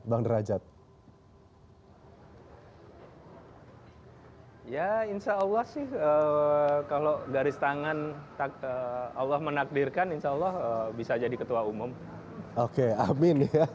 oke makanya mungkin mau menanggapi